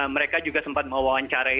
mereka juga sempat mewawancara